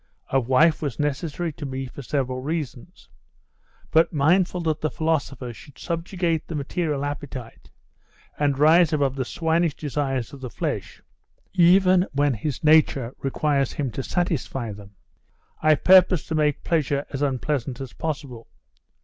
A wife was necessary to me for several reasons: but mindful that the philosopher should subjugate the material appetite, and rise above the swinish desires of the flesh, even when his nature requires him to satisfy them, I purposed to make pleasure as unpleasant as possible.